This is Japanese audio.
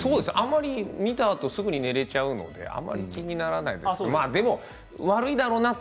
見たあとすぐに寝てしまうのであまり気にならないなと。